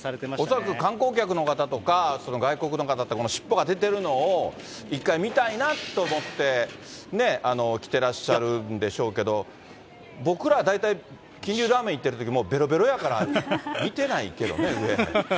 恐らく観光客の方とか、外国の方って、尻尾が出てるのを一回見たいなと思って、来てらっしゃるんでしょうけれども、僕ら、大体、金龍ラーメン行ってるとき、もうべろべろやから、見てないけどね、上。